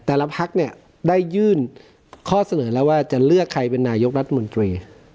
พักเนี่ยได้ยื่นข้อเสนอแล้วว่าจะเลือกใครเป็นนายกรัฐมนตรี